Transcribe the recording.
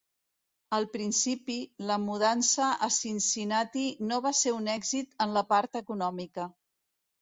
Al principi, la mudança a Cincinnati no va ser un èxit en la part econòmica.